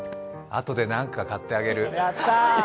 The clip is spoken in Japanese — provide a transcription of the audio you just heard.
あとで何か買ってあげる。